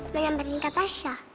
menyamperin kata saya